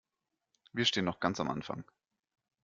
Wir stehen noch ganz am Anfang.